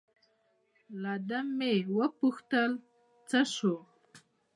له ده مې و پوښتل: څه شو؟